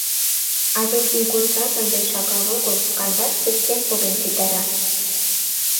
А вет ийготшат ынде шагал огыл — кандаш тестем поген ситара.